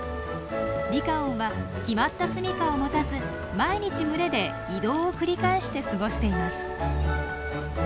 リカオンは決まったすみかを持たず毎日群れで移動を繰り返して過ごしています。